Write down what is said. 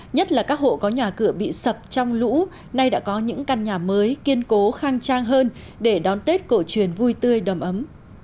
nhất là các hộ có nhà cửa bị sập trong lũ nay đã có những căn nhà mới kiên cố khang trang hơn để đón tết cổ truyền vui tươi đầm ấm